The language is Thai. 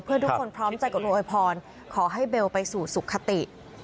เพื่อทุกคนพร้อมใจกับโอยพรขอให้เบลไปสู่สุขติ